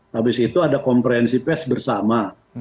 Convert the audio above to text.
habis itu ada komprensi pes bersama